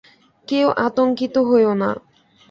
কেউ আতঙ্কিত হয়ো না।